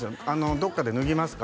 どっかで脱ぎますか？